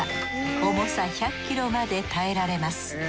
重さ１００ｋｇまで耐えられます。